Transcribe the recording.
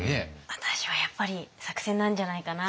私はやっぱり作戦なんじゃないかなと。